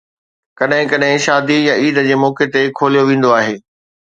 ڪڏهن ڪڏهن شادي يا عيد جي موقعي تي کوليو ويندو آهي.